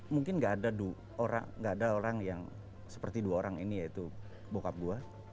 mungkin nggak ada orang yang seperti dua orang ini yaitu bokap gue